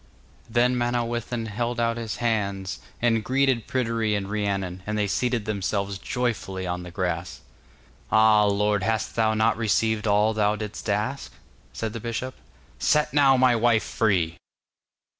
Then Manawyddan held out his hands and greeted Pryderi and Rhiannon, and they seated themselves joyfully on the grass. 'Ah, lord, hast thou not received all thou didst ask?' said the bishop. 'Set now my wife free!